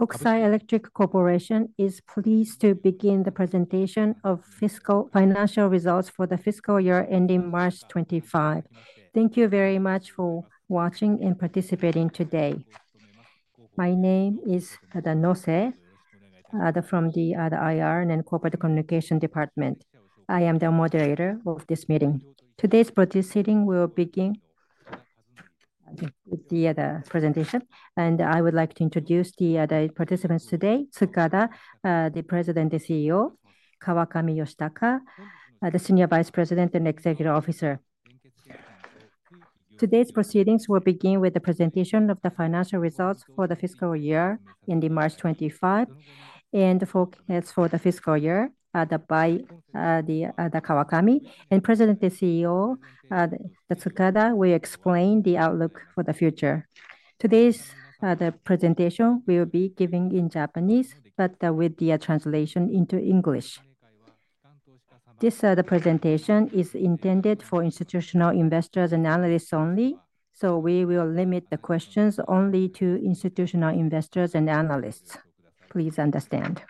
KOKUSAI ELECTRIC corporation is pleased to begin the presentation of financial results for the fiscal year ending March 2025. Thank you very much for watching and participating today. My name Nose from the IR and Corporate Communication Department. I am the moderator of this meeting. Today's proceeding will begin with the presentation, and I would like to introduce the participants today: Tsukada, the President and CEO; Kawakami Yoshitaka, the Senior Vice President and Executive Officer. Today's proceedings will begin with the presentation of the financial results for the fiscal year ending March 2025 and forecasts for the fiscal year by Kawakami, and President and CEO Tsukada will explain the outlook for the future. Today's presentation will be given in Japanese, but with the translation into English. This presentation is intended for institutional investors and analysts only, so we will limit the questions only to institutional investors and analysts. Please understand.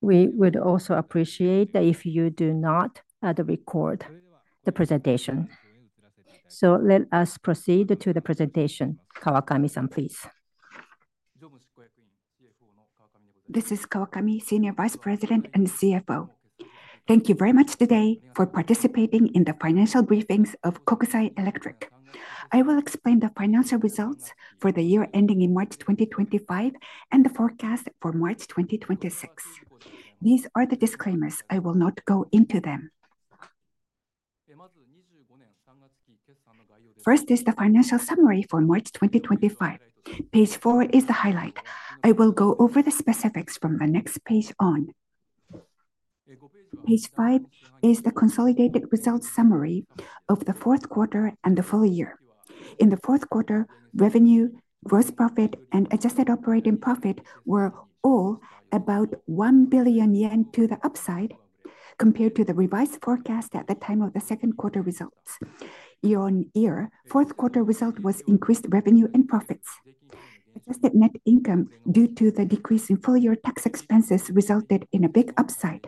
We would also appreciate it if you do not record the presentation. Let us proceed to the presentation. Kawakami-san, please. This is Kawakami, Senior Vice President and CFO. Thank you very much today for participating in the financial briefings of KOKUSAI ELECTRIC. I will explain the financial results for the year ending in March 2025 and the forecast for March 2026. These are the disclaimers. I will not go into them. First is the financial summary for March 2025. Page four is the highlight. I will go over the specifics from the next page on. Page five is the consolidated results summary of the fourth quarter and the full year. In the fourth quarter, revenue, gross profit, and adjusted operating profit were all about 1 billion yen to the upside compared to the revised forecast at the time of the second quarter results. Year-on-year, fourth quarter result was increased revenue and profits. Adjusted net income due to the decrease in full-year tax expenses resulted in a big upside.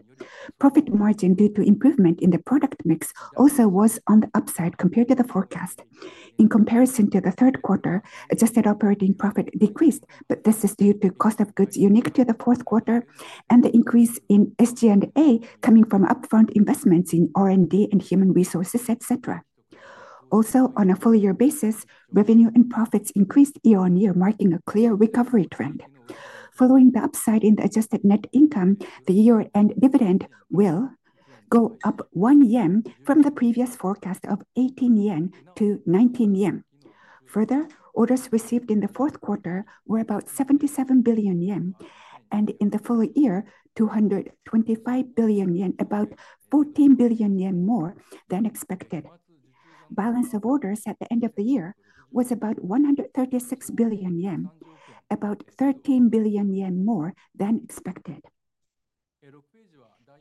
Profit margin due to improvement in the product mix also was on the upside compared to the forecast. In comparison to the third quarter, adjusted operating profit decreased, but this is due to cost of goods unique to the fourth quarter and the increase in SG&A coming from upfront investments in R&D and human resources, etc. Also, on a full-year basis, revenue and profits increased year-on-year, marking a clear recovery trend. Following the upside in the adjusted net income, the year-end dividend will go up 1 yen from the previous forecast of 18 yen to 19 yen. Further, orders received in the fourth quarter were about 77 billion yen, and in the full year, 225 billion yen, about 14 billion yen more than expected. Balance of orders at the end of the year was about 136 billion yen, about 13 billion yen more than expected.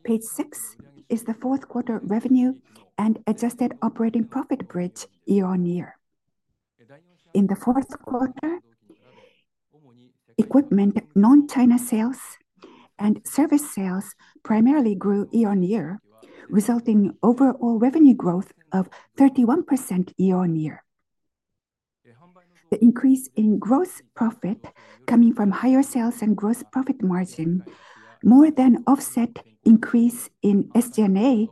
Page six is the fourth quarter revenue and adjusted operating profit bridge year-on-year. In the fourth quarter, equipment non-China sales and service sales primarily grew year-on-year, resulting in overall revenue growth of 31% year-on-year. The increase in gross profit coming from higher sales and gross profit margin more than offset increase in SG&A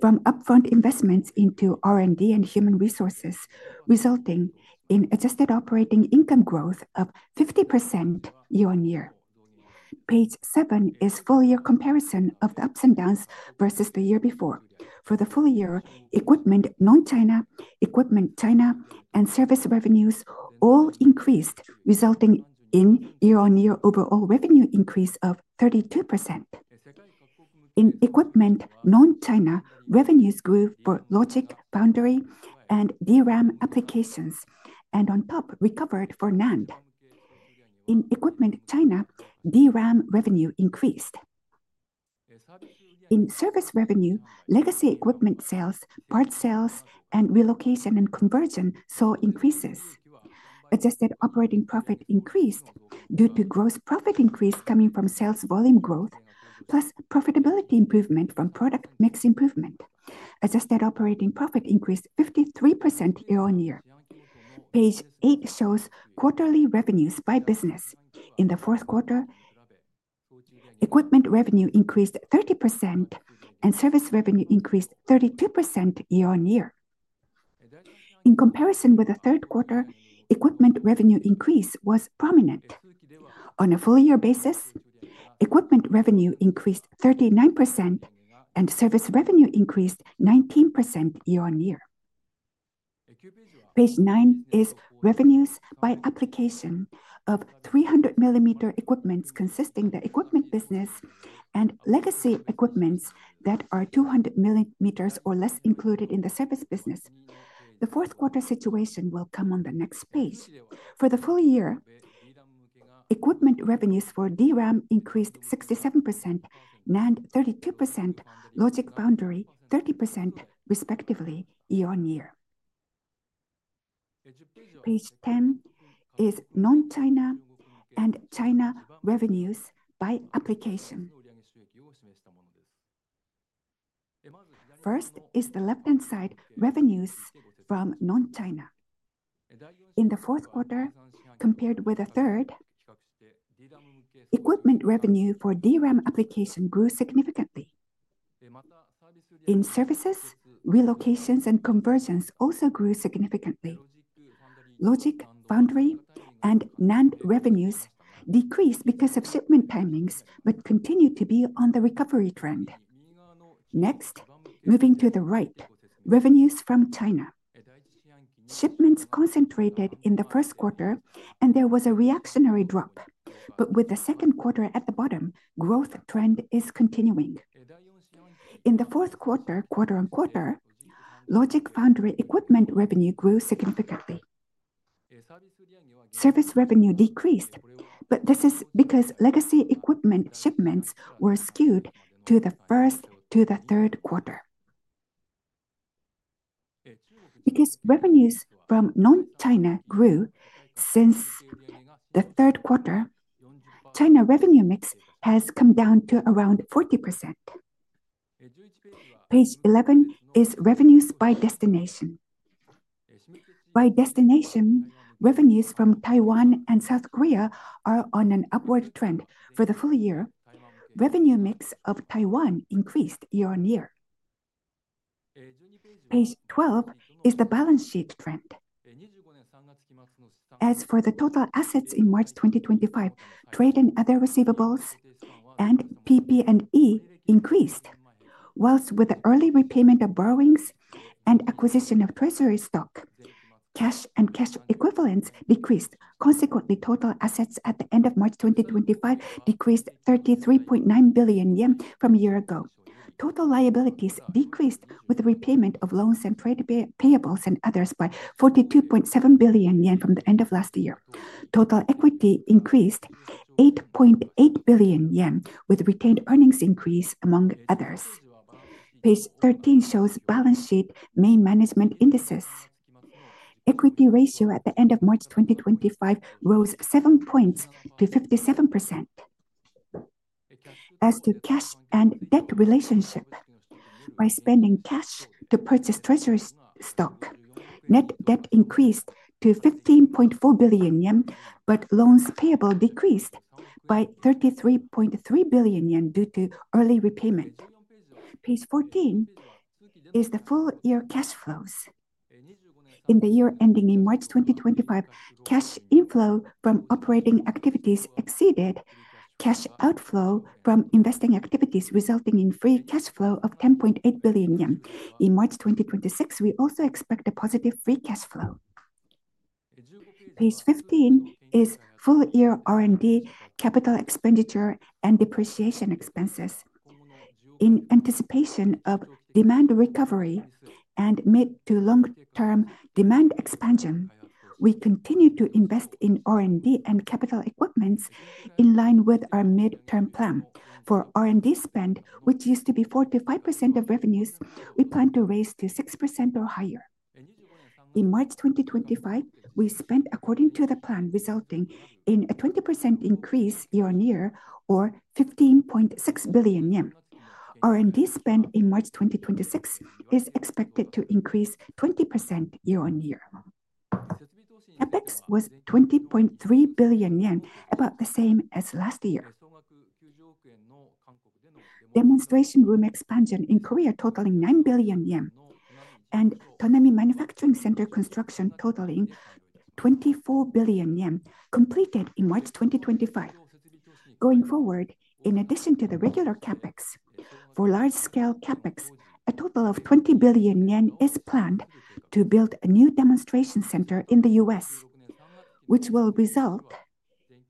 from upfront investments into R&D and human resources, resulting in adjusted operating income growth of 50% year-on-year. Page seven is full-year comparison of the ups and downs versus the year before. For the full year, equipment non-China, equipment China, and service revenues all increased, resulting in year-on-year overall revenue increase of 32%. In equipment non-China, revenues grew for logic, foundry, and DRAM applications, and on top, recovered for NAND. In equipment China, DRAM revenue increased. In service revenue, legacy equipment sales, part sales, and relocation and conversion saw increases. Adjusted operating profit increased due to gross profit increase coming from sales volume growth, plus profitability improvement from product mix improvement. Adjusted operating profit increased 53% year-on-year. Page eight shows quarterly revenues by business. In the fourth quarter, equipment revenue increased 30%, and service revenue increased 32% year-on-year. In comparison with the third quarter, equipment revenue increase was prominent. On a full-year basis, equipment revenue increased 39%, and service revenue increased 19% year-on-year. Page nine is revenues by application of 300 mm equipments consisting of the equipment business and legacy equipments that are 200 mm or less included in the service business. The fourth quarter situation will come on the next page. For the full year, equipment revenues for DRAM increased 67%, NAND 32%, logic foundry 30%, respectively, year-on-year. Page 10 is non-China and China revenues by application. First is the left-hand side revenues from non-China. In the fourth quarter, compared with the third, equipment revenue for DRAM application grew significantly. In services, relocations and conversions also grew significantly. Logic, foundry, and NAND revenues decreased because of shipment timings, but continue to be on the recovery trend. Next, moving to the right, revenues from China. Shipments concentrated in the first quarter, and there was a reactionary drop, but with the second quarter at the bottom, growth trend is continuing. In the fourth quarter, quarter on quarter, logic, foundry, equipment revenue grew significantly. Service revenue decreased, but this is because legacy equipment shipments were skewed to the first to the third quarter. Because revenues from non-China grew since the third quarter, China revenue mix has come down to around 40%. Page 11 is revenues by destination. By destination, revenues from Taiwan and South Korea are on an upward trend. For the full year, revenue mix of Taiwan increased year-on-year. Page 12 is the balance sheet trend. As for the total assets in March 2025, trade and other receivables and PP&E increased, whilst with early repayment of borrowings and acquisition of treasury stock, cash and cash equivalents decreased. Consequently, total assets at the end of March 2025 decreased 33.9 billion yen from a year ago. Total liabilities decreased with repayment of loans and trade payables and others by 42.7 billion yen from the end of last year. Total equity increased 8.8 billion yen with retained earnings increase, among others. Page 13 shows balance sheet main management indices. Equity ratio at the end of March 2025 rose 7 points to 57%. As to cash and debt relationship, by spending cash to purchase treasury stock, net debt increased to 15.4 billion yen, but loans payable decreased by 33.3 billion yen due to early repayment. Page 14 is the full-year cash flows. In the year ending in March 2025, cash inflow from operating activities exceeded cash outflow from investing activities, resulting in free cash flow of 10.8 billion yen. In March 2026, we also expect a positive free cash flow. Page 15 is full-year R&D, capital expenditure, and depreciation expenses. In anticipation of demand recovery and mid to long-term demand expansion, we continue to invest in R&D and capital equipment in line with our mid-term plan. For R&D spend, which used to be 4-5% of revenues, we plan to raise to 6% or higher. In March 2025, we spent according to the plan, resulting in a 20% increase year-on-year or 15.6 billion yen. R&D spend in March 2026 is expected to increase 20% year-on-year. CapEx was 20.3 billion yen, about the same as last year. Demonstration room expansion in Korea totaling 9 billion yen and Tonami Manufacturing Center construction totaling 24 billion yen completed in March 2025. Going forward, in addition to the regular CapEx, for large-scale CapEx, a total of 20 billion yen is planned to build a new demonstration center in the U.S., which will result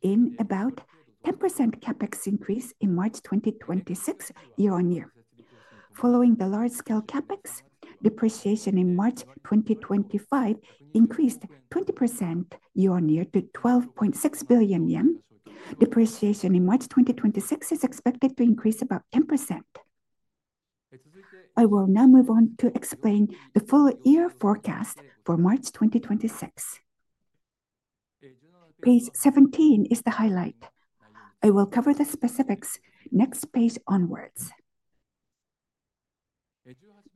in about a 10% CapEx increase in March 2026 year-on-year. Following the large-scale CapEx, depreciation in March 2025 increased 20% year-on-year to 12.6 billion yen. Depreciation in March 2026 is expected to increase about 10%. I will now move on to explain the full-year forecast for March 2026. Page 17 is the highlight. I will cover the specifics next page onwards.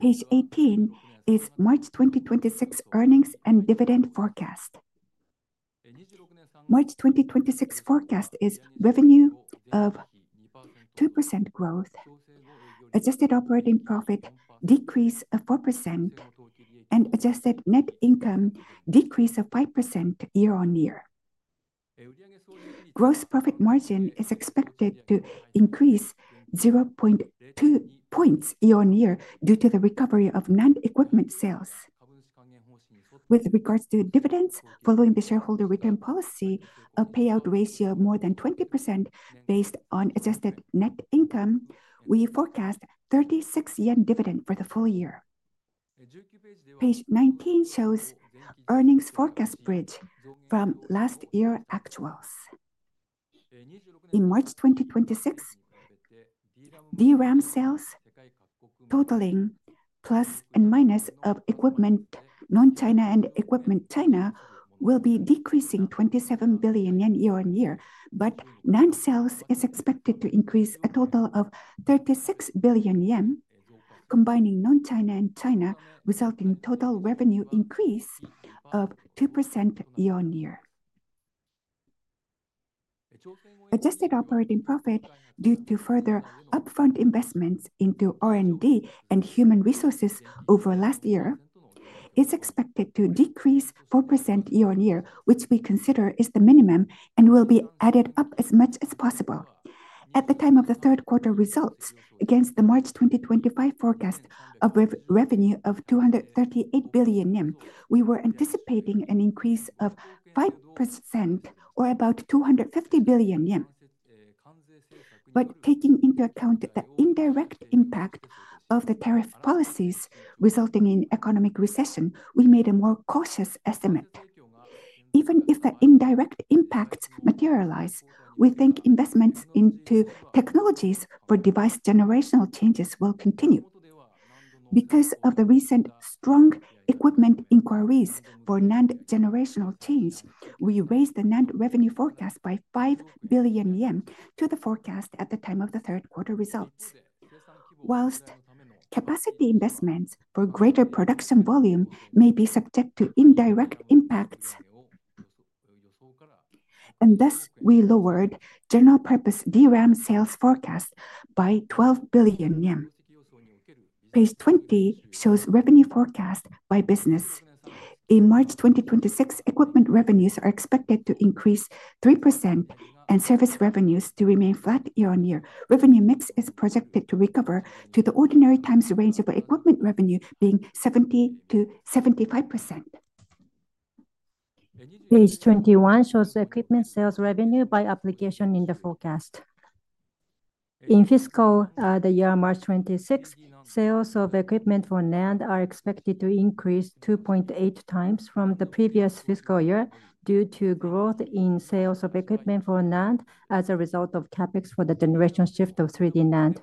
Page 18 is March 2026 earnings and dividend forecast. March 2026 forecast is revenue of 2% growth, adjusted operating profit decrease of 4%, and adjusted net income decrease of 5% year-on-year. Gross profit margin is expected to increase 0.2 percentage points year-on-year due to the recovery of NAND equipment sales. With regards to dividends, following the shareholder return policy, a payout ratio of more than 20% based on adjusted net income, we forecast 36 yen dividend for the full year. Page 19 shows earnings forecast bridge from last year's actuals. In March 2026, DRAM sales totaling plus and minus of equipment non-China and equipment China will be decreasing 27 billion yen year-on-year, but NAND sales is expected to increase a total of 36 billion yen, combining non-China and China, resulting in total revenue increase of 2% year-on-year. Adjusted operating profit due to further upfront investments into R&D and human resources over last year is expected to decrease 4% year-on-year, which we consider is the minimum and will be added up as much as possible. At the time of the third quarter results, against the March 2025 forecast of revenue of 238 billion yen, we were anticipating an increase of 5% or about 250 billion yen. Taking into account the indirect impact of the tariff policies resulting in economic recession, we made a more cautious estimate. Even if the indirect impacts materialize, we think investments into technologies for device generational changes will continue. Because of the recent strong equipment inquiries for NAND generational change, we raised the NAND revenue forecast by 5 billion yen to the forecast at the time of the third quarter results. Whilst capacity investments for greater production volume may be subject to indirect impacts, and thus we lowered general purpose DRAM sales forecast by 12 billion yen. Page 20 shows revenue forecast by business. In March 2026, equipment revenues are expected to increase 3% and service revenues to remain flat year-on-year. Revenue mix is projected to recover to the ordinary times range of equipment revenue being 70%-75%. Page 21 shows equipment sales revenue by application in the forecast. In fiscal year March 2026, sales of equipment for NAND are expected to increase 2.8 times from the previous fiscal year due to growth in sales of equipment for NAND as a result of CapEx for the generation shift of 3D NAND.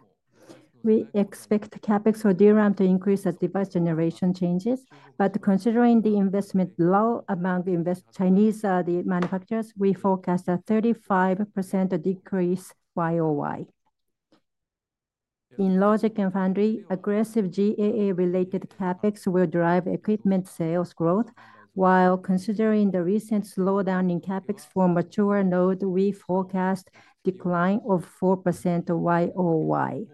We expect CapEx for DRAM to increase as device generation changes, but considering the investment low among Chinese manufacturers, we forecast a 35% decrease year-on-year. In logic and foundry, aggressive GAA-related CapEx will drive equipment sales growth, while considering the recent slowdown in CapEx for mature nodes, we forecast a decline of 4% YOY.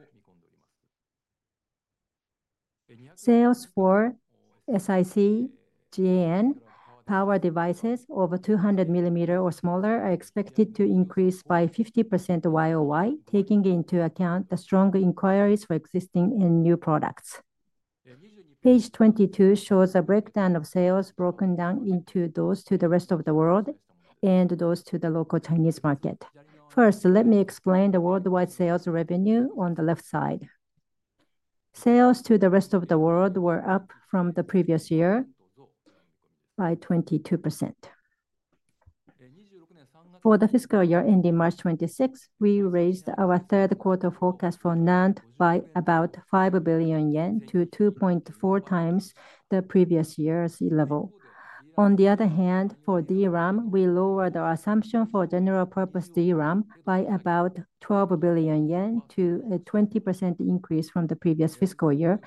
Sales for SiC, GaN, power devices over 200 mm or smaller are expected to increase by 50% YOY, taking into account the strong inquiries for existing and new products. Page 22 shows a breakdown of sales broken down into those to the rest of the world and those to the local Chinese market. First, let me explain the worldwide sales revenue on the left side. Sales to the rest of the world were up from the previous year by 22%. For the fiscal year ending March 2026, we raised our third quarter forecast for NAND by about 5 billion yen to 2.4 times the previous year's level. On the other hand, for DRAM, we lowered our assumption for general purpose DRAM by about 12 billion yen to a 20% increase from the previous fiscal year.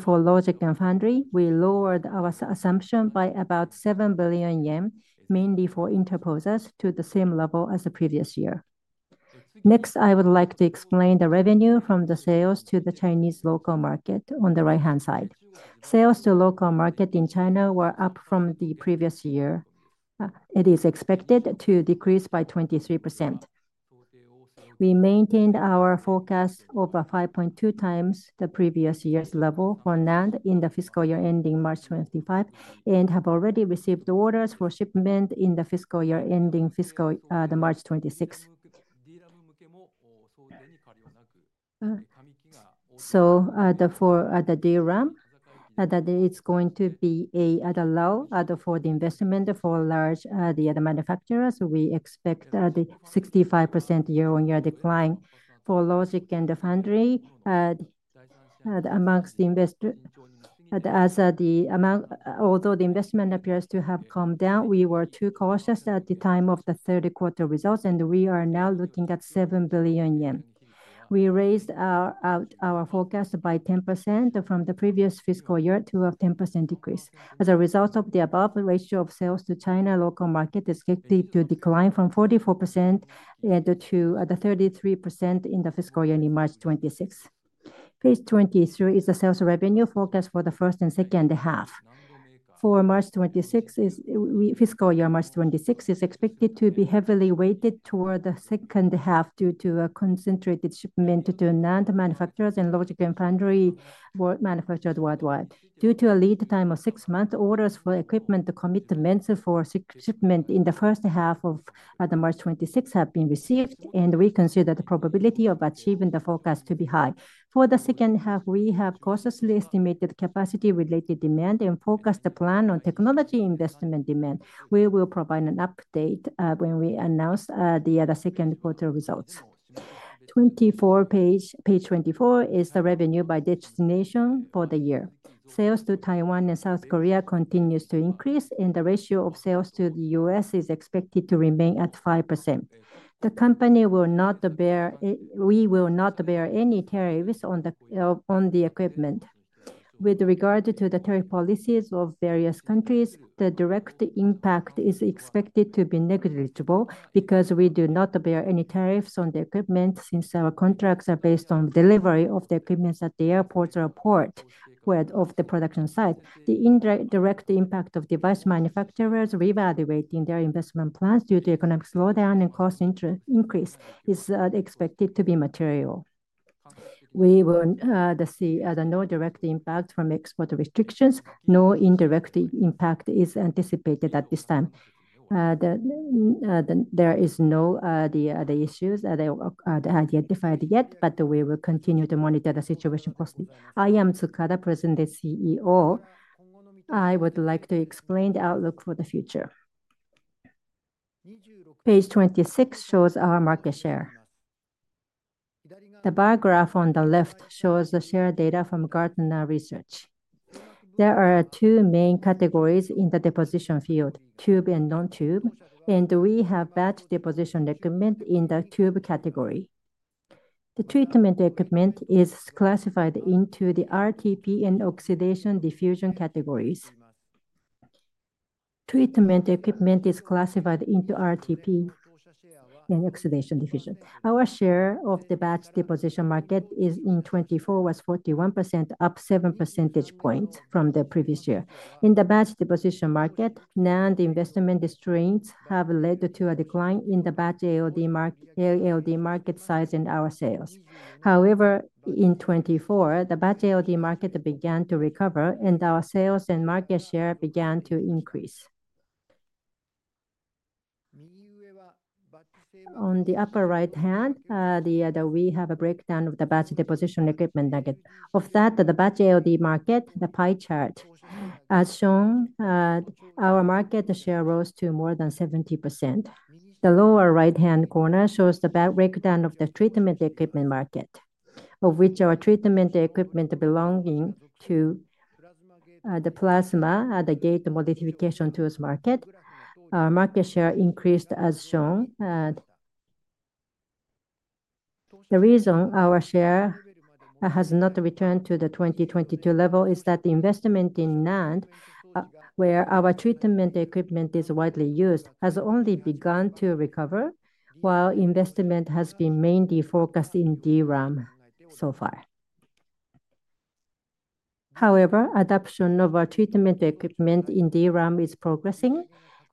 For logic and foundry, we lowered our assumption by about 7 billion yen, mainly for interposers, to the same level as the previous year. Next, I would like to explain the revenue from the sales to the Chinese local market on the right-hand side. Sales to the local market in China were up from the previous year. It is expected to decrease by 23%. We maintained our forecast over 5.2 times the previous year's level for NAND in the fiscal year ending March 2025 and have already received orders for shipment in the fiscal year ending March 2026. For the DRAM, it's going to be a low for the investment for large manufacturers, so we expect a 65% year-on-year decline. For logic and foundry, amongst the investors, although the investment appears to have come down, we were too cautious at the time of the third quarter results, and we are now looking at 7 billion yen. We raised our forecast by 10% from the previous fiscal year to a 10% decrease. As a result of the above, the ratio of sales to China local market is expected to decline from 44% to 33% in the fiscal year ending March 2026. Page 23 is the sales revenue forecast for the first and second half. For March 2026, fiscal year March 2026 is expected to be heavily weighted toward the second half due to a concentrated shipment to NAND manufacturers and logic and foundry manufacturers worldwide. Due to a lead time of six months, orders for equipment commitments for shipment in the first half of March 2026 have been received, and we consider the probability of achieving the forecast to be high. For the second half, we have cautiously estimated capacity-related demand and focused the plan on technology investment demand. We will provide an update when we announce the other second quarter results. Page 24 is the revenue by destination for the year. Sales to Taiwan and South Korea continue to increase, and the ratio of sales to the U.S. is expected to remain at 5%. The company will not bear any tariffs on the equipment. With regard to the tariff policies of various countries, the direct impact is expected to be negligible because we do not bear any tariffs on the equipment since our contracts are based on delivery of the equipment at the airport or port of the production site. The indirect direct impact of device manufacturers reevaluating their investment plans due to economic slowdown and cost increase is expected to be material. We will see no direct impact from export restrictions. No indirect impact is anticipated at this time. There are no issues identified yet, but we will continue to monitor the situation closely. I am Tsukada, presently CEO. I would like to explain the outlook for the future. Page 26 shows our market share. The bar graph on the left shows the share data from Gartner Research. There are two main categories in the deposition field: tube and non-tube, and we have batch deposition equipment in the tube category. The treatment equipment is classified into the RTP and oxidation diffusion categories. Our share of the batch deposition market in 2024 was 41%, up 7 percentage points from the previous year. In the batch deposition market, NAND investment strains have led to a decline in the batch ALD market size and our sales. However, in 2024, the batch ALD market began to recover, and our sales and market share began to increase. On the upper right hand, we have a breakdown of the batch deposition equipment. Of that, the batch ALD market, the pie chart, as shown, our market share rose to more than 70%. The lower right hand corner shows the breakdown of the treatment equipment market, of which our treatment equipment belonging to the plasma at the gate modification tools market, our market share increased as shown. The reason our share has not returned to the 2022 level is that the investment in NAND, where our treatment equipment is widely used, has only begun to recover, while investment has been mainly focused in DRAM so far. However, adoption of our treatment equipment in DRAM is progressing,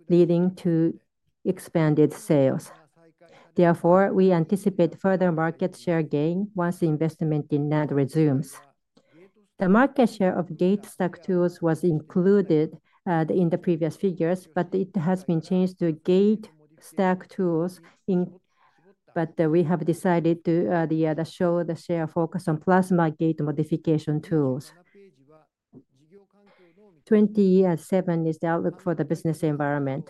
leading to expanded sales. Therefore, we anticipate further market share gain once the investment in NAND resumes. The market share of gate stack tools was included in the previous figures, but it has been changed to gate stack tools, but we have decided to show the share focus on plasma gate modification tools. 27 is the outlook for the business environment.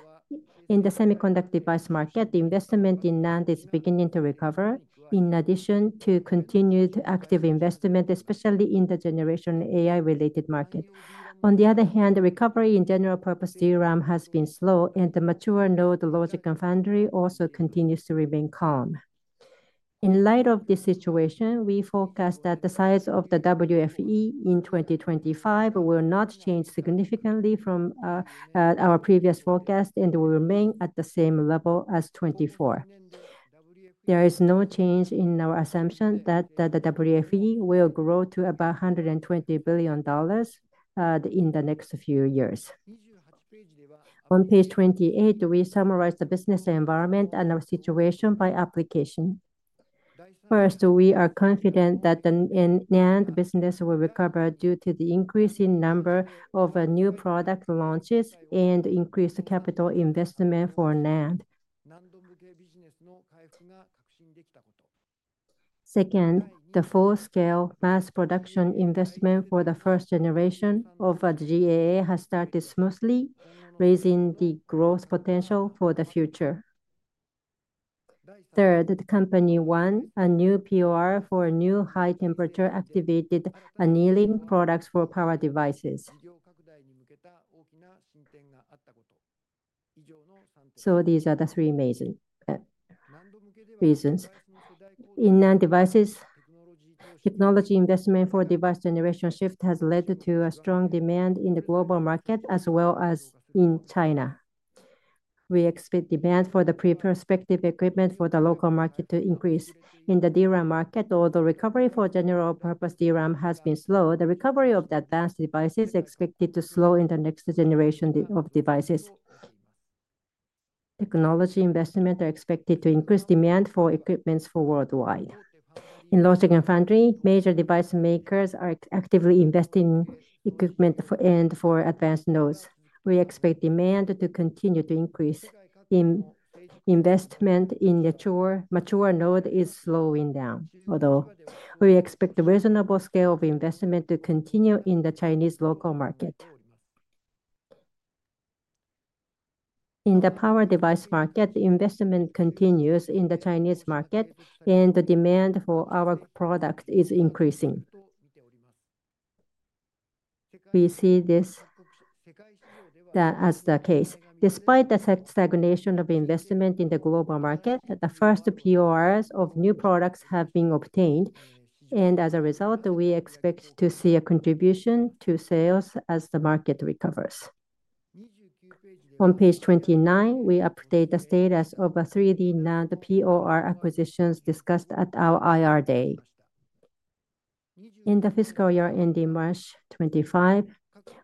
In the semiconductor device market, the investment in NAND is beginning to recover in addition to continued active investment, especially in the generation AI-related market. On the other hand, the recovery in general purpose DRAM has been slow, and the mature node, logic and foundry also continues to remain calm. In light of this situation, we forecast that the size of the WFE in 2025 will not change significantly from our previous forecast and will remain at the same level as 2024. There is no change in our assumption that the WFE will grow to about $120 billion in the next few years. On page 28, we summarize the business environment and our situation by application. First, we are confident that the NAND business will recover due to the increasing number of new product launches and increased capital investment for NAND. Second, the full-scale mass production investment for the first generation of GAA has started smoothly, raising the growth potential for the future. Third, Company 1, a new POR for new high temperature activated annealing products for power devices. These are the three main reasons. In NAND devices, technology investment for device generation shift has led to a strong demand in the global market as well as in China. We expect demand for the prospective equipment for the local market to increase. In the DRAM market, although recovery for general purpose DRAM has been slow, the recovery of the advanced devices is expected to slow in the next generation of devices. Technology investment is expected to increase demand for equipment worldwide. In logic and foundry, major device makers are actively investing in equipment and for advanced nodes. We expect demand to continue to increase. Investment in mature node is slowing down, although we expect a reasonable scale of investment to continue in the Chinese local market. In the power device market, investment continues in the Chinese market, and the demand for our product is increasing. We see this as the case. Despite the stagnation of investment in the global market, the first PORs of new products have been obtained, and as a result, we expect to see a contribution to sales as the market recovers. On page 29, we update the status of 3D NAND POR acquisitions discussed at our IR day. In the fiscal year ending March 2025,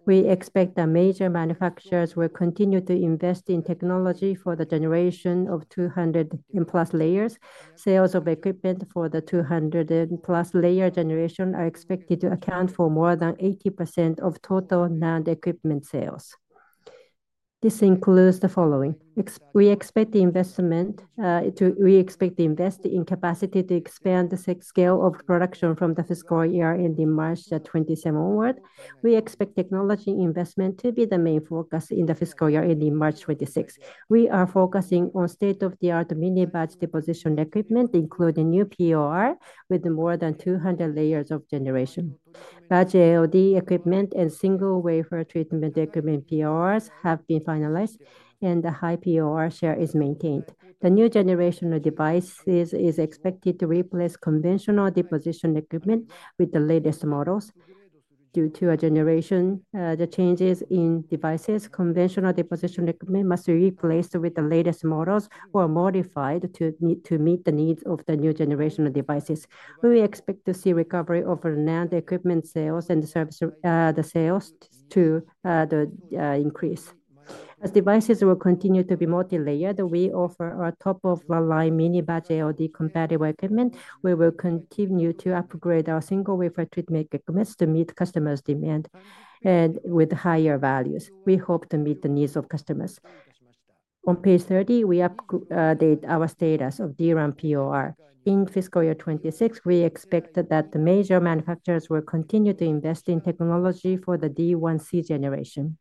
we expect that major manufacturers will continue to invest in technology for the generation of 200+ layers. Sales of equipment for the 200+ layer generation are expected to account for more than 80% of total NAND equipment sales. This includes the following. We expect the investment to invest in capacity to expand the scale of production from the fiscal year ending March 2027 onward. We expect technology investment to be the main focus in the fiscal year ending March 2026. We are focusing on state-of-the-art mini batch deposition equipment, including new POR with more than 200 layers of generation. Batch ALD equipment and single wafer treatment equipment PORs have been finalized, and the high POR share is maintained. The new generation of devices is expected to replace conventional deposition equipment with the latest models. Due to the changes in devices, conventional deposition equipment must be replaced with the latest models or modified to meet the needs of the new generation of devices. We expect to see recovery of NAND equipment sales and the sales to increase. As devices will continue to be multi-layered, we offer our top-of-the-line mini batch ALD compatible equipment. We will continue to upgrade our single wafer treatment equipment to meet customers' demand and with higher values. We hope to meet the needs of customers. On page 30, we update our status of DRAM POR. In fiscal year 2026, we expect that the major manufacturers will continue to invest in technology for the D1C generation.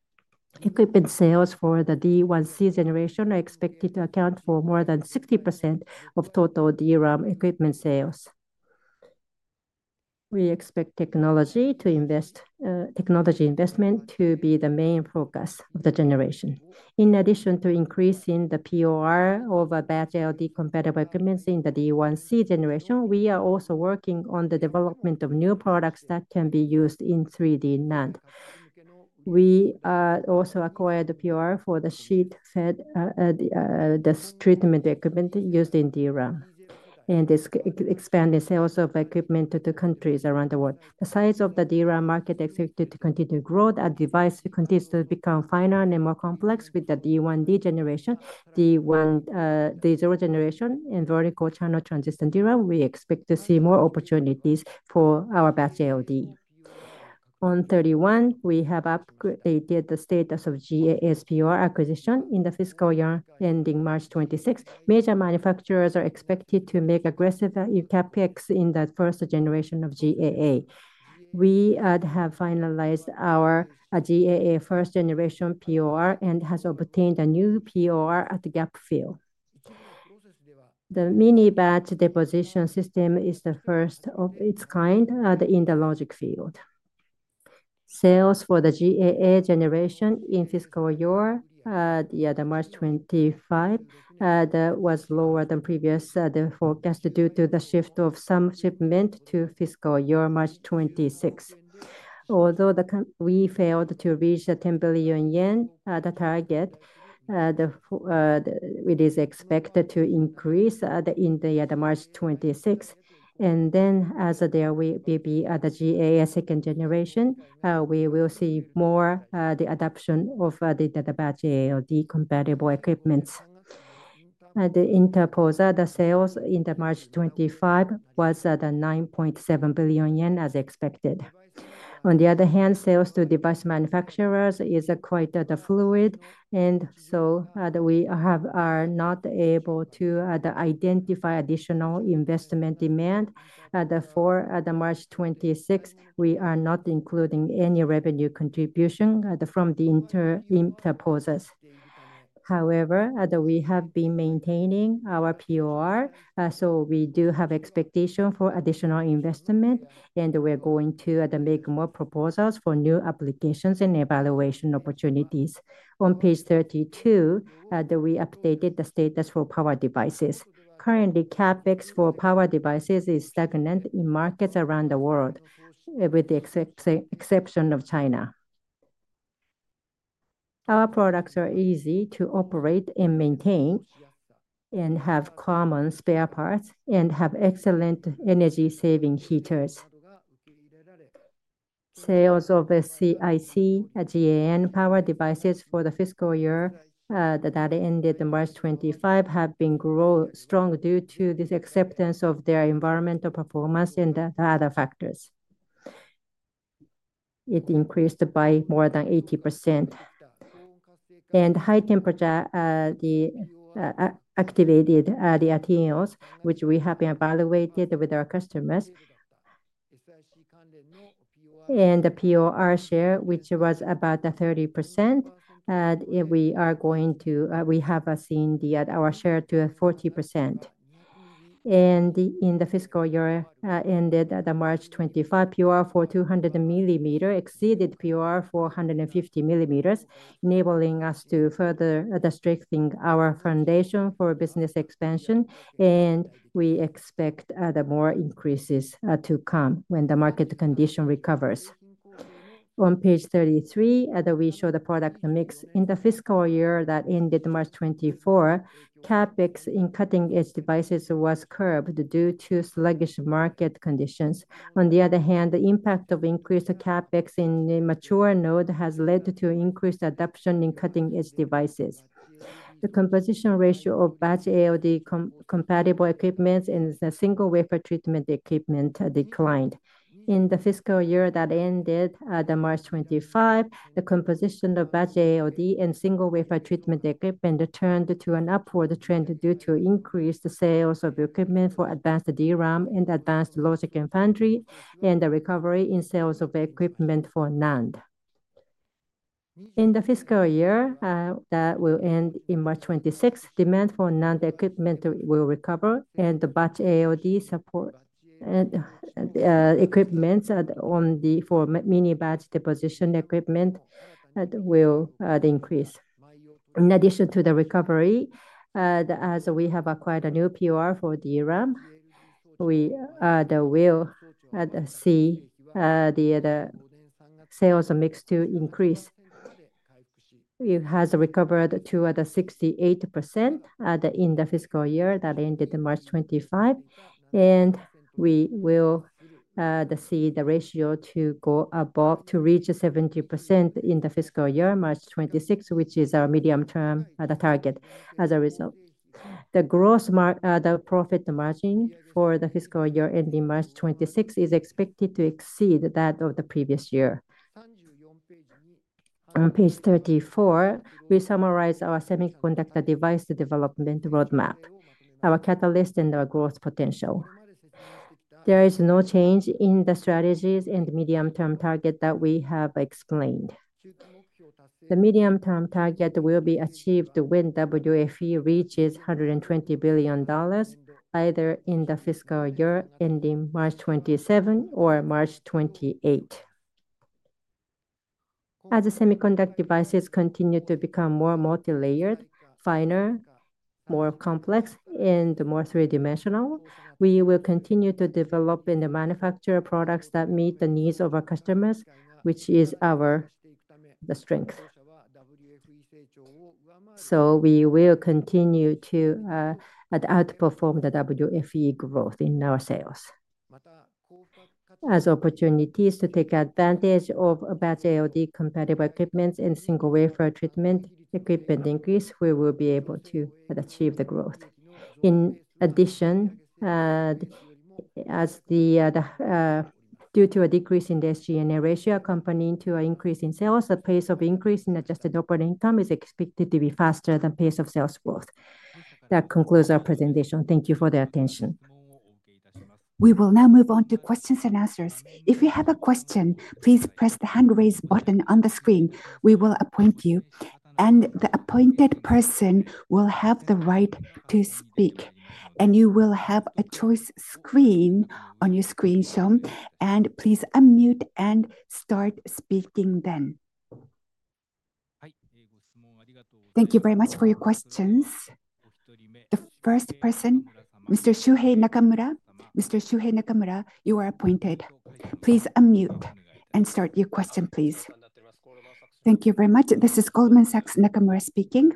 Equipment sales for the D1C generation are expected to account for more than 60% of total DRAM equipment sales. We expect technology investment to be the main focus of the generation. In addition to increasing the POR over batch ALD compatible equipment in the D1C generation, we are also working on the development of new products that can be used in 3D NAND. We also acquired the POR for the single wafer treatment equipment used in DRAM and expanding sales of equipment to countries around the world. The size of the DRAM market is expected to continue to grow as devices continue to become finer and more complex with the D1D generation, D0 generation, and vertical channel transition DRAM. We expect to see more opportunities for our batch ALD. On 31, we have updated the status of GAA POR acquisition in the fiscal year ending March 2026. Major manufacturers are expected to make aggressive CapEx in the first generation of GAA. We have finalized our GAA first generation POR and have obtained a new POR at the gap field. The mini batch deposition system is the first of its kind in the logic field. Sales for the GAA generation in fiscal year March 2025 was lower than previously forecast due to the shift of some shipment to fiscal year March 2026. Although we failed to reach the 10 billion yen target, it is expected to increase in the year March 2026. As there will be the GAA second generation, we will see more of the adoption of the batch ALD compatible equipment. The interposed sales in March 2025 was at 9.7 billion yen as expected. On the other hand, sales to device manufacturers are quite fluid, and we are not able to identify additional investment demand. Therefore, at March 2026, we are not including any revenue contribution from the interposes. However, we have been maintaining our POR, so we do have expectations for additional investment, and we're going to make more proposals for new applications and evaluation opportunities. On page 32, we updated the status for power devices. Currently, CapEx for power devices is stagnant in markets around the world, with the exception of China. Our products are easy to operate and maintain, and have common spare parts, and have excellent energy-saving heaters. Sales of SiC/GaN power devices for the fiscal year that ended March 2025 have been growing strong due to the acceptance of their environmental performance and other factors. It increased by more than 80%. High Temperature Activated Annealing Equipment, which we have evaluated with our customers, and the POR share, which was about 30%. We are going to have seen our share to 40%. In the fiscal year ended March 2025, POR for 200 exceeded POR for 150 enabling us to further strengthen our foundation for business expansion, and we expect more increases to come when the market condition recovers. On page 33, we show the product mix in the fiscal year that ended March 2024. CapEx in cutting-edge devices was curbed due to sluggish market conditions. On the other hand, the impact of increased CapEx in mature node has led to increased adoption in cutting-edge devices. The composition ratio of batch ALD compatible equipment and single wafer treatment equipment declined. In the fiscal year that ended March 2025, the composition of batch ALD and single wafer treatment equipment turned to an upward trend due to increased sales of equipment for advanced DRAM and advanced logic and foundry, and the recovery in sales of equipment for NAND. In the fiscal year that will end in March 2026, demand for NAND equipment will recover, and the batch ALD support equipment for mini batch deposition equipment will increase. In addition to the recovery, as we have acquired a new POR for DRAM, we will see the sales mix to increase. It has recovered to 68% in the fiscal year that ended March 2025, and we will see the ratio reach 70% in the fiscal year March 2026, which is our medium-term target. As a result, the gross profit margin for the fiscal year ending March 2026 is expected to exceed that of the previous year. On page 34, we summarize our semiconductor device development roadmap, our catalyst, and our growth potential. There is no change in the strategies and medium-term target that we have explained. The medium-term target will be achieved when WFE reaches $120 billion, either in the fiscal year ending March 2027 or March 2028. As semiconductor devices continue to become more multi-layered, finer, more complex, and more three-dimensional, we will continue to develop and manufacture products that meet the needs of our customers, which is our strength. We will continue to outperform the WFE growth in our sales. As opportunities to take advantage of batch ALD compatible equipment and single wafer treatment equipment increase, we will be able to achieve the growth. In addition, due to a decrease in the SG&A ratio accompanying an increase in sales, the pace of increase in adjusted operating income is expected to be faster than the pace of sales growth. That concludes our presentation. Thank you for the attention. We will now move on to questions and answers. If you have a question, please press the hand-raise button on the screen. We will appoint you, and the appointed person will have the right to speak, and you will have a choice screen on your screenshot. Please unmute and start speaking then. Thank you very much for your questions. The first person, Mr. Shuhei Nakamura. Mr. Shuhei Nakamura you're appointed. Please unmute and start your question please. Thank you very much. This is Goldman Sachs, Nakamura speaking.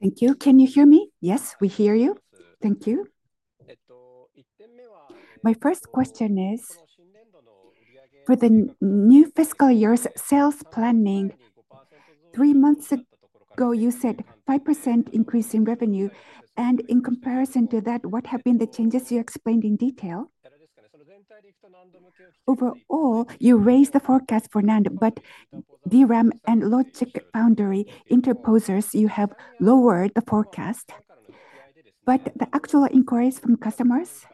Thank you. Can you hear me? Yes, we hear you. Thank you. My first question is, for the new fiscal year's sales planning, three months ago, you said 5% increase in revenue. In comparison to that, what have been the changes you explained in detail? Overall, you raised the forecast for NAND, but DRAM and logic foundry interposers, you have lowered the forecast. The actual inquiries from customers,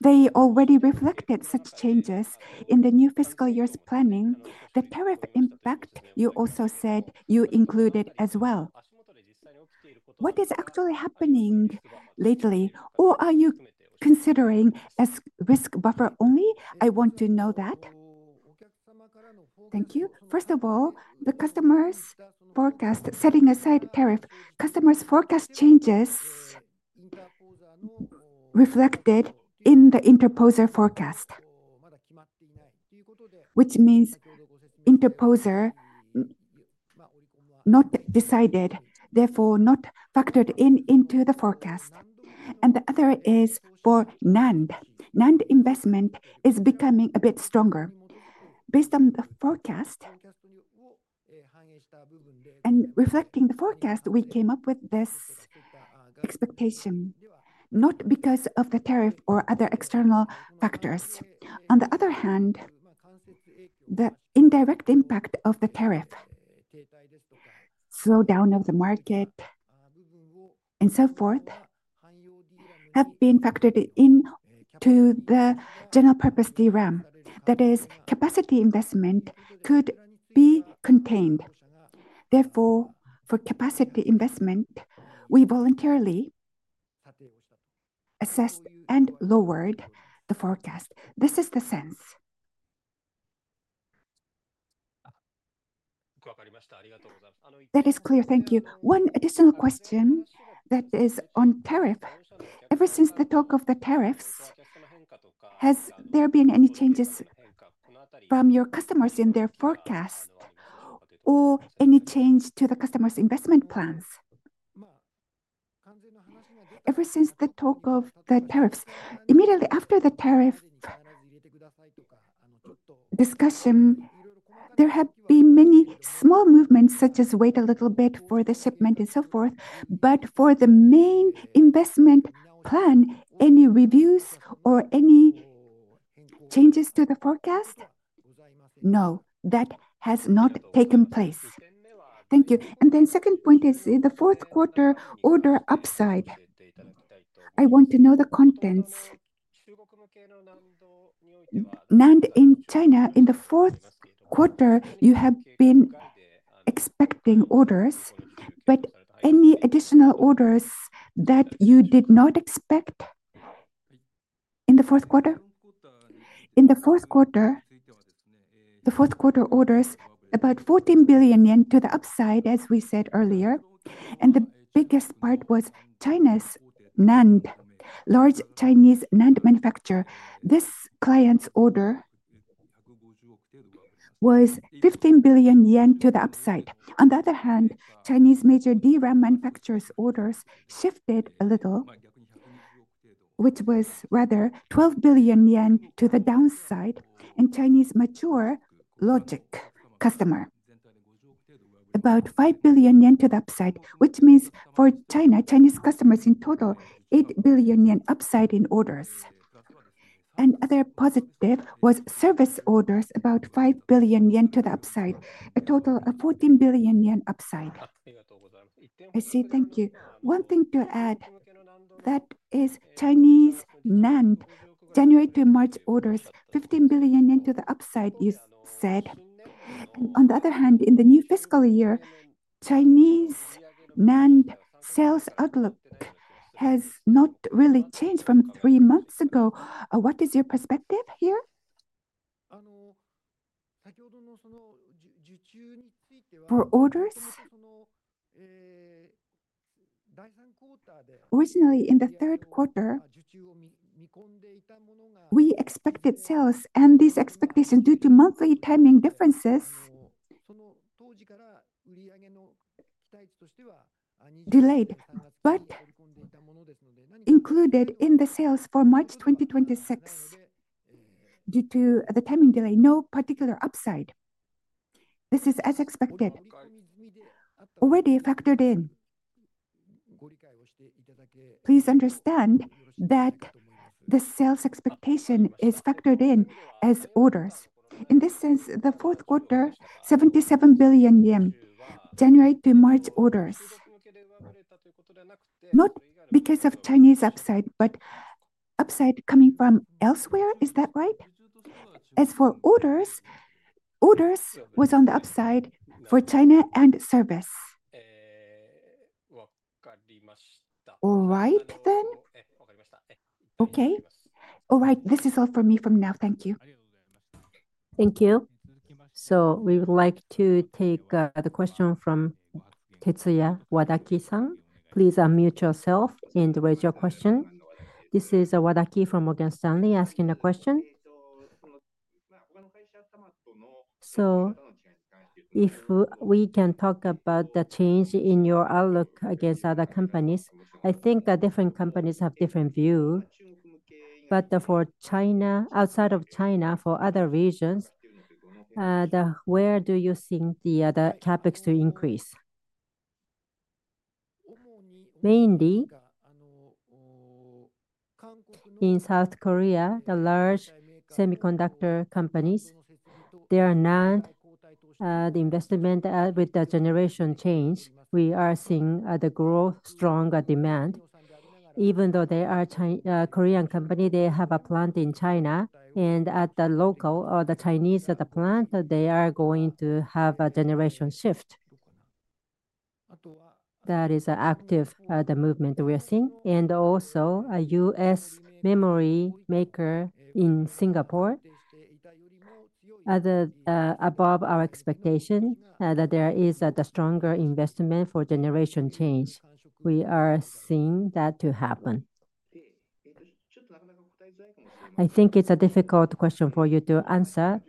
they already reflected such changes in the new fiscal year's planning. The tariff impact, you also said you included as well. What is actually happening lately? Are you considering as risk buffer only? I want to know that. Thank you. First of all, the customers' forecast, setting aside tariff, customers' forecast changes reflected in the interposer forecast, which means interposer not decided, therefore not factored into the forecast. The other is for NAND. NAND investment is becoming a bit stronger. Based on the forecast and reflecting the forecast, we came up with this expectation, not because of the tariff or other external factors. On the other hand, the indirect impact of the tariff, slowdown of the market, and so forth have been factored into the general-purpose DRAM. That is, capacity investment could be contained. Therefore, for capacity investment, we voluntarily assessed and lowered the forecast. This is the sense. That is clear. Thank you. One additional question that is on tariff. Ever since the talk of the tariffs, has there been any changes from your customers in their forecast or any change to the customers' investment plans? Ever since the talk of the tariffs, immediately after the tariff discussion, there have been many small movements, such as wait a little bit for the shipment and so forth. For the main investment plan, any reviews or any changes to the forecast? No, that has not taken place. Thank you. The second point is the fourth quarter order upside. I want to know the contents. NAND in China, in the fourth quarter, you have been expecting orders, but any additional orders that you did not expect in the fourth quarter? In the fourth quarter, the fourth quarter orders, about 14 billion yen to the upside, as we said earlier. The biggest part was China's NAND, large Chinese NAND manufacturer. This client's order was 15 billion yen to the upside. On the other hand, Chinese major DRAM manufacturers' orders shifted a little, which was rather 12 billion yen to the downside in Chinese mature logic customer, about 5 billion yen to the upside, which means for China, Chinese customers in total, 8 billion yen upside in orders. Another positive was service orders, about 5 billion yen to the upside, a total of 14 billion yen upside. I see. Thank you. One thing to add, that is Chinese NAND January to March orders, 15 billion yen to the upside, you said. On the other hand, in the new fiscal year, Chinese NAND sales outlook has not really changed from three months ago. What is your perspective here? For orders, originally in the third quarter, we expected sales, and these expectations due to monthly timing differences delayed, but included in the sales for March 2026 due to the timing delay. No particular upside. This is as expected, already factored in. Please understand that the sales expectation is factored in as orders. In this sense, the fourth quarter, 77 billion yen, January to March orders, not because of Chinese upside, but upside coming from elsewhere, is that right? As for orders, orders was on the upside for China and service. All right then. Okay. All right. This is all for me from now. Thank you. Thank you. We would like to take the question from Tetsuya Wadaki-san. Please unmute yourself and raise your question. This is Wadaki from Morgan Stanley asking a question. If we can talk about the change in your outlook against other companies, I think different companies have different views. For China, outside of China, for other regions, where do you think the other CapEx to increase? Mainly in South Korea, the large semiconductor companies, their NAND investment with the generation change, we are seeing the growth, stronger demand. Even though they are a Korean company, they have a plant in China, and at the local or the Chinese at the plant, they are going to have a generation shift. That is an active movement we are seeing. Also a U.S. memory maker in Singapore, above our expectation, that there is a stronger investment for generation change. We are seeing that to happen. I think it's a difficult question for you to answer,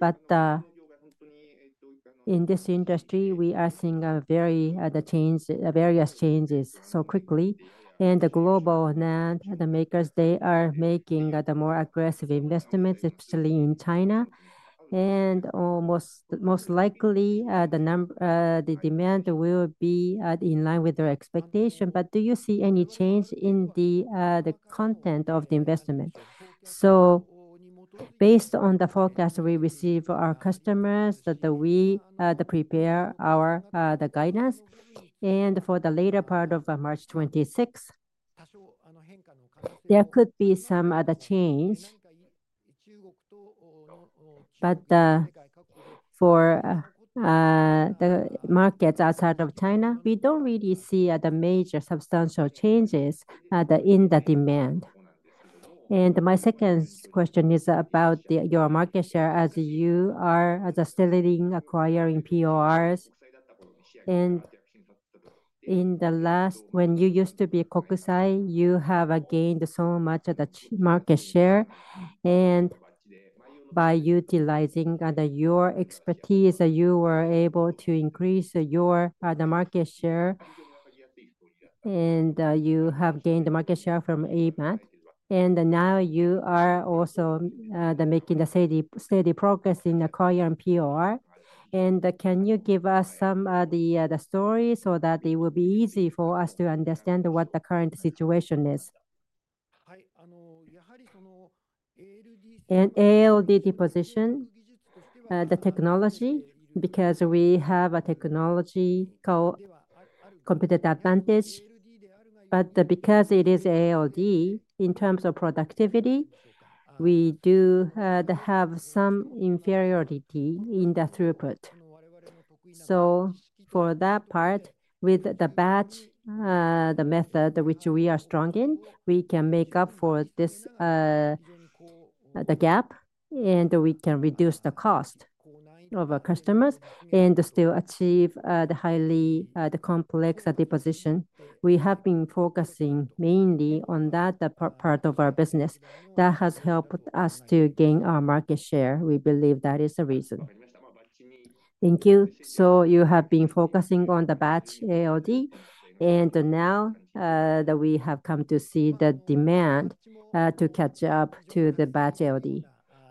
but in this industry, we are seeing various changes so quickly. The global NAND, the makers, they are making the more aggressive investments, especially in China. Most likely, the demand will be in line with their expectation. Do you see any change in the content of the investment? Based on the forecast we receive from our customers, we prepare our guidance, and for the later part of March 2026, there could be some other change. For the markets outside of China, we do not really see major substantial changes in the demand. My second question is about your market share as you are still acquiring PORs. In the last, when you used to be Kokusai, you have gained so much of the market share. By utilizing your expertise, you were able to increase your market share. You have gained the market share from Applied Materials. Now you are also making steady progress in acquiring POR. Can you give us some of the stories so that it will be easy for us to understand what the current situation is? ALD technology position, the technology, because we have a technological competitive advantage. Because it is ALD, in terms of productivity, we do have some inferiority in the throughput. For that part, with the batch, the method which we are strong in, we can make up for the gap, and we can reduce the cost of our customers and still achieve the highly complex deposition. We have been focusing mainly on that part of our business. That has helped us to gain our market share. We believe that is the reason. Thank you. You have been focusing on the batch ALD, and now that we have come to see the demand to catch up to the batch ALD.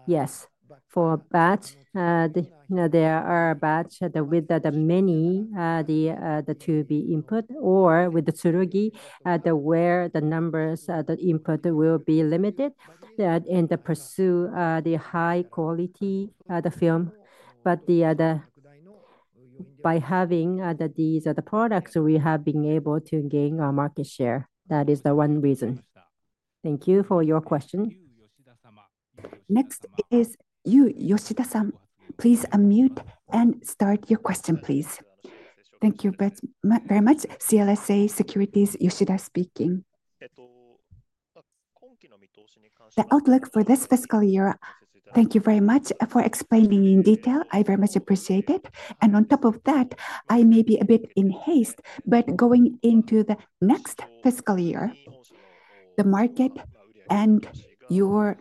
Yes. For batch, there are batch with the many to be input, or with the Tsurugi, where the numbers of the input will be limited and pursue the high quality of the film. By having these other products, we have been able to gain our market share. That is the one reason. Thank you for your question. Next is Yu Yoshida-san. Please unmute and start your question, please. Thank you very much. CLSA Securities, Yoshida speaking. The outlook for this fiscal year, thank you very much for explaining in detail. I very much appreciate it. On top of that, I may be a bit in haste, but going into the next fiscal year, the market and your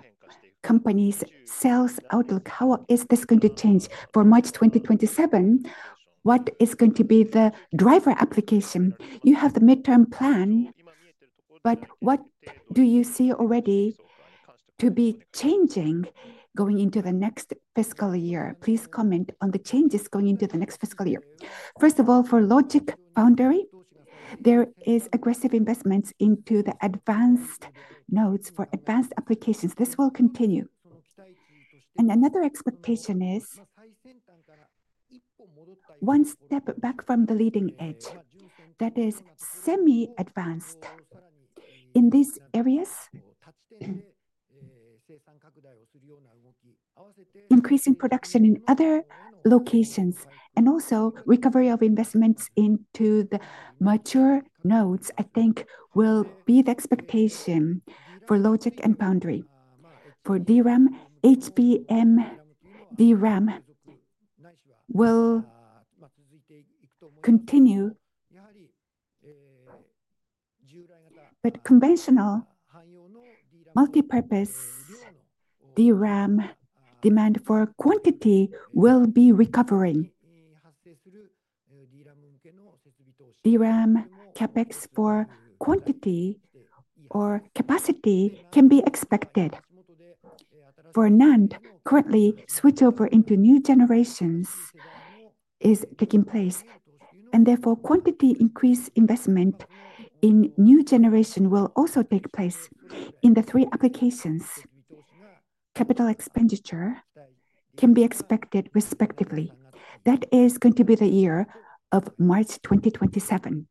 company's sales outlook, how is this going to change for March 2027? What is going to be the driver application? You have the midterm plan, but what do you see already to be changing going into the next fiscal year? Please comment on the changes going into the next fiscal year. First of all, for logic foundry, there are aggressive investments into the advanced nodes for advanced applications. This will continue. Another expectation is one step back from the leading edge, that is semi-advanced. In these areas, increasing production in other locations, and also recovery of investments into the mature nodes, I think will be the expectation for logic and foundry. For DRAM, HBM DRAM will continue, but conventional multi-purpose DRAM demand for quantity will be recovering. DRAM CapEx for quantity or capacity can be expected. For NAND, currently, switchover into new generations is taking place. Therefore, quantity increase investment in new generation will also take place in the three applications. Capital expenditure can be expected, respectively. That is going to be the year of March 2027.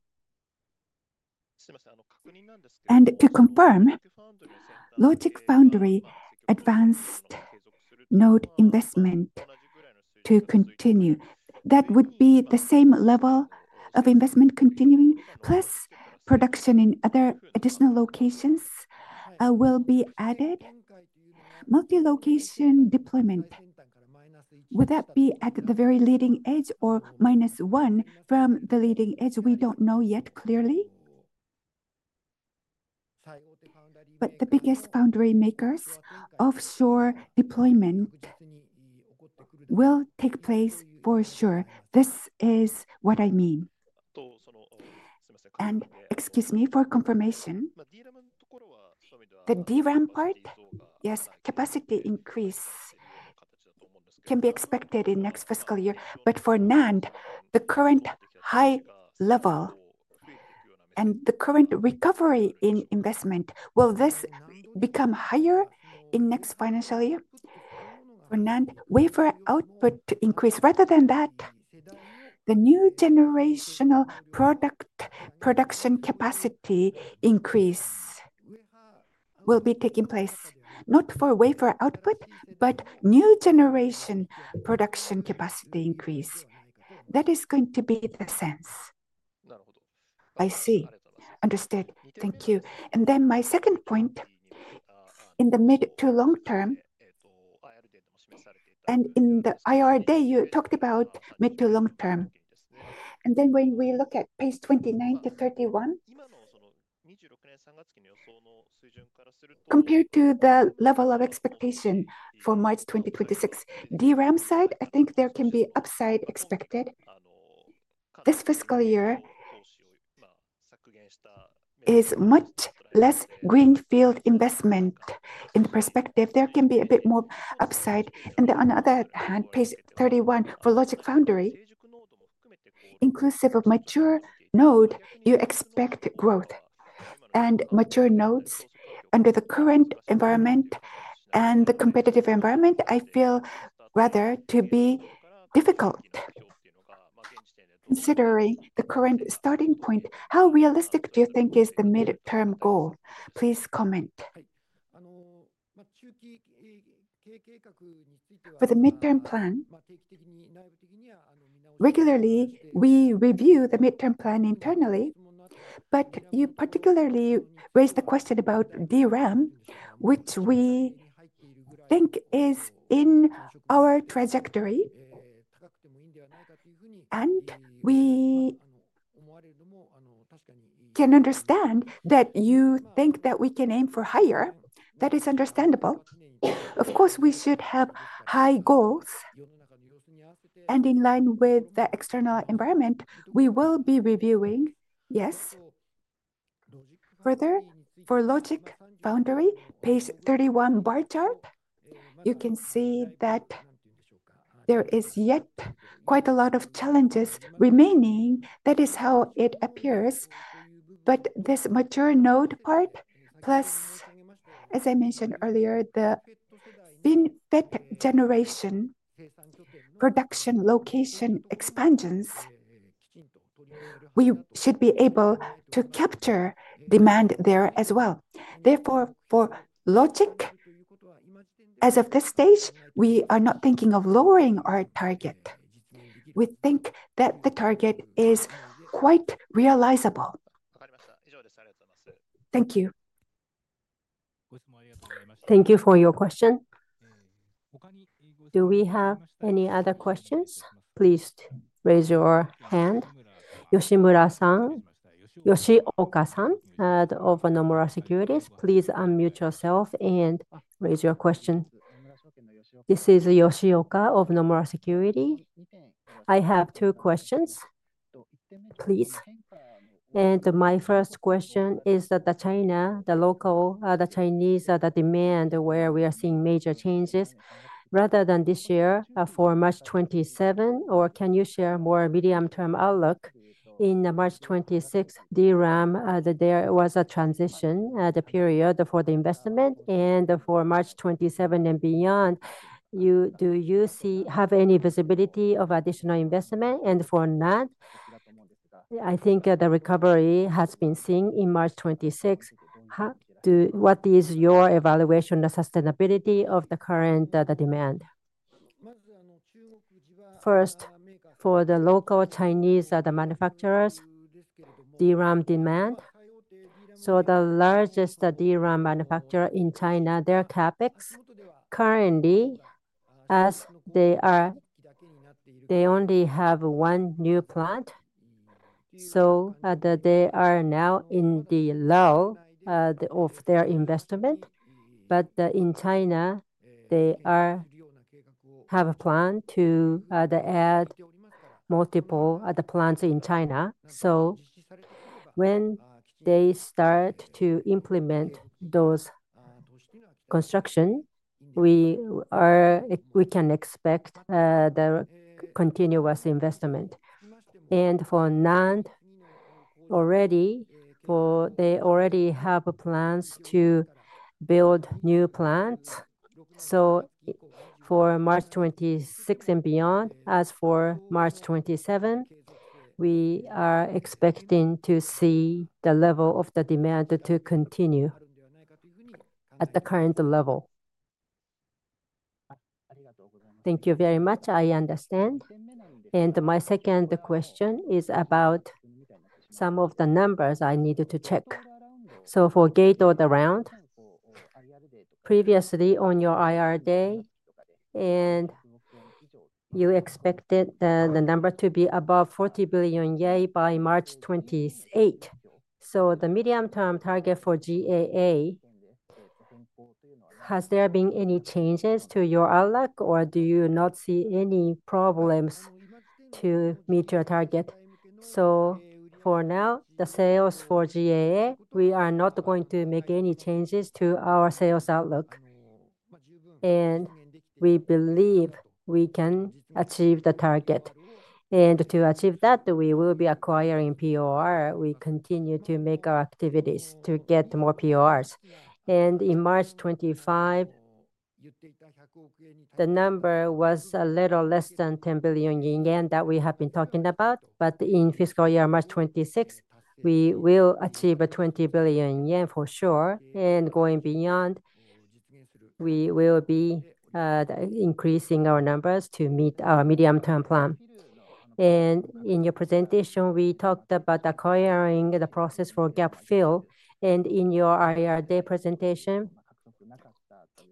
To confirm, logic foundry advanced node investment to continue. That would be the same level of investment continuing, plus production in other additional locations will be added. Multi-location deployment, would that be at the very leading edge or minus one from the leading edge? We do not know yet clearly. The biggest foundry makers' offshore deployment will take place for sure. This is what I mean. Excuse me for confirmation, the DRAM part, yes, capacity increase can be expected in next fiscal year. For NAND, the current high level and the current recovery in investment, will this become higher in next financial year? For NAND, wafer output increase. Rather than that, the new generational product production capacity increase will be taking place, not for wafer output, but new generation production capacity increase. That is going to be the sense. I see. Understood. Thank you. Then my second point, in the mid to long term, and in the IRD, you talked about mid to long term. When we look at pace 2090, 31, compared to the level of expectation for March 2026, DRAM side, I think there can be upside expected. This fiscal year is much less greenfield investment in perspective. There can be a bit more upside. On the other hand, pace 31 for logic foundry, inclusive of mature node, you expect growth. Mature nodes, under the current environment and the competitive environment, I feel rather to be difficult. Considering the current starting point, how realistic do you think is the midterm goal? Please comment. For the midterm plan, regularly, we review the midterm plan internally, but you particularly raised the question about DRAM, which we think is in our trajectory, and we can understand that you think that we can aim for higher. That is understandable. Of course, we should have high goals. In line with the external environment, we will be reviewing, yes. Further, for logic foundry, page 31 bar chart, you can see that there is yet quite a lot of challenges remaining. That is how it appears. This mature node part, plus, as I mentioned earlier, the FinFET generation production location expansions, we should be able to capture demand there as well. Therefore, for logic, as of this stage, we are not thinking of lowering our target. We think that the target is quite realizable. Thank you. Thank you for your question. Do we have any other questions? Please raise your hand. Yoshimura-san, Yoshioka-san of Nomura Securities, please unmute yourself and raise your question. This is Yoshioka of Nomura Securities. I have two questions, please. My first question is that the China, the local, the Chinese, the demand where we are seeing major changes, rather than this year for March 2027, or can you share more medium-term outlook in March 2026? DRAM, there was a transition at the period for the investment, and for March 2027 and beyond, do you have any visibility of additional investment? For NAND, I think the recovery has been seen in March 2026. What is your evaluation of the sustainability of the current demand? First, for the local Chinese manufacturers, DRAM demand. The largest DRAM manufacturer in China, their CapEx currently, as they only have one new plant. They are now in the low of their investment. In China, they have a plan to add multiple other plants in China. When they start to implement those constructions, we can expect the continuous investment. For NAND, already, they already have plans to build new plants. For March 2026 and beyond, as for March 2027, we are expecting to see the level of the demand to continue at the current level. Thank you very much. I understand. My second question is about some of the numbers I needed to check. For gate all around, previously on your IRD, and you expected the number to be above 40 billion by March 2028. The medium-term target for GAA, has there been any changes to your outlook, or do you not see any problems to meet your target? For now, the sales for GAA, we are not going to make any changes to our sales outlook. We believe we can achieve the target. To achieve that, we will be acquiring POR. We continue to make our activities to get more PORs. In March 2025, the number was a little less than 10 billion yen that we have been talking about. In fiscal year March 2026, we will achieve 20 billion yen for sure. Going beyond, we will be increasing our numbers to meet our medium-term plan. In your presentation, we talked about acquiring the process for gap fill. In your IRD presentation,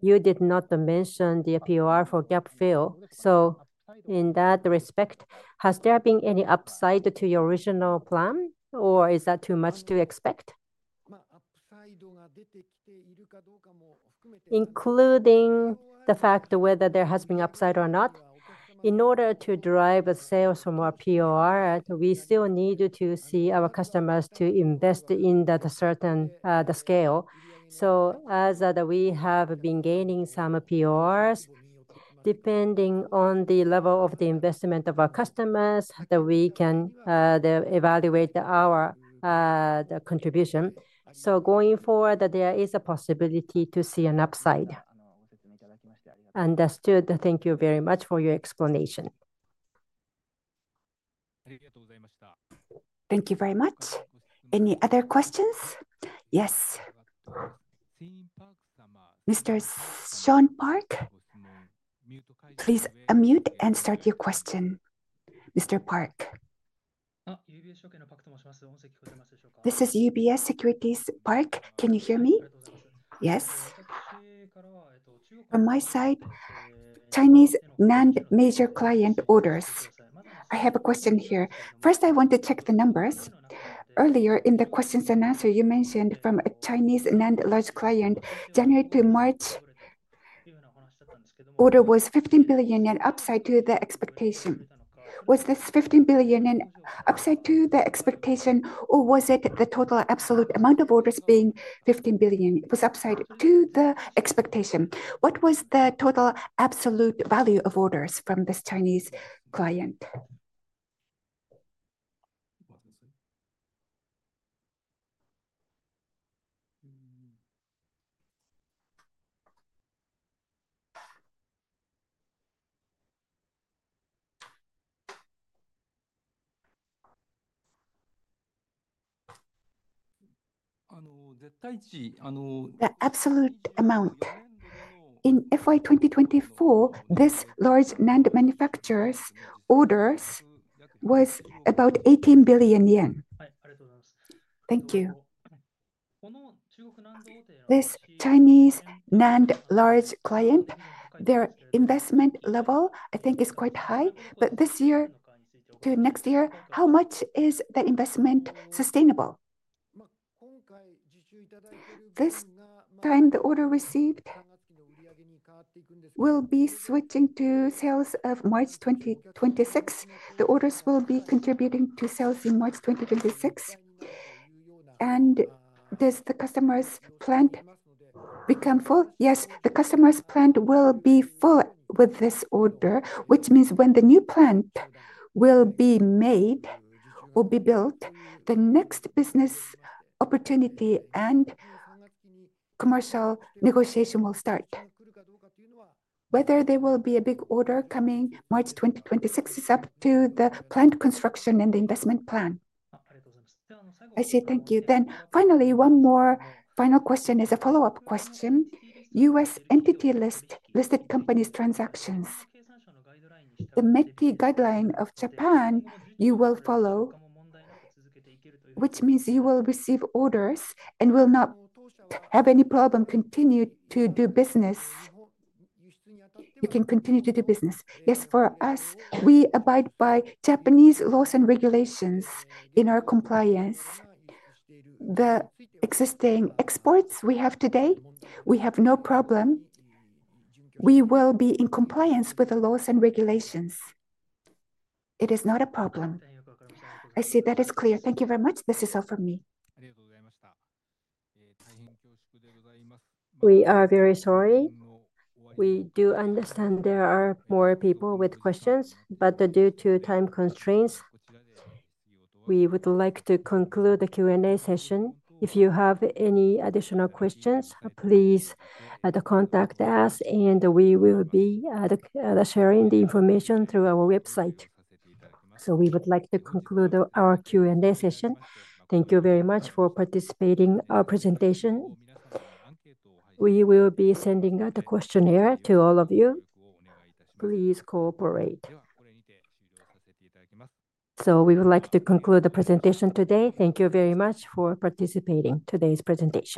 you did not mention the POR for gap fill. In that respect, has there been any upside to your original plan, or is that too much to expect? Including the fact whether there has been upside or not, in order to drive sales from our POR, we still need to see our customers to invest in the certain scale. As we have been gaining some PORs, depending on the level of the investment of our customers, we can evaluate our contribution. Going forward, there is a possibility to see an upside. Understood. Thank you very much for your explanation. Thank you very much. Any other questions? Yes. Mr. Sean Park, please unmute and start your question. Mr. Park. This is UBS Securities, Park. Can you hear me? Yes. From my side, Chinese NAND major client orders. I have a question here. First, I want to check the numbers. Earlier in the questions and answer, you mentioned from a Chinese NAND large client, January to March, order was 15 billion yen upside to the expectation. Was this 15 billion yen upside to the expectation, or was it the total absolute amount of orders being 15 billion? It was upside to the expectation. What was the total absolute value of orders from this Chinese client? Yeah, absolute amount. In FY 2024, this large NAND manufacturer's orders was about 18 billion yen. Thank you. This Chinese NAND large client, their investment level, I think, is quite high. This year to next year, how much is the investment sustainable? This time, the order received will be switching to sales of March 2026. The orders will be contributing to sales in March 2026. Does the customer's plant become full? Yes, the customer's plant will be full with this order, which means when the new plant will be made, will be built, the next business opportunity and commercial negotiation will start. Whether there will be a big order coming March 2026 is up to the plant construction and the investment plan. I see. Thank you. Finally, one more final question is a follow-up question. U.S. entity listed companies transactions. The METI guideline of Japan, you will follow, which means you will receive orders and will not have any problem continuing to do business. You can continue to do business. Yes, for us, we abide by Japanese laws and regulations in our compliance. The existing exports we have today, we have no problem. We will be in compliance with the laws and regulations. It is not a problem. I see that it's clear. Thank you very much. This is all from me. We are very sorry. We do understand there are more people with questions, but due to time constraints, we would like to conclude the Q&A session. If you have any additional questions, please contact us, and we will be sharing the information through our website. We would like to conclude our Q&A session. Thank you very much for participating in our presentation. We will be sending the questionnaire to all of you. Please cooperate. We would like to conclude the presentation today. Thank you very much for participating in today's presentation.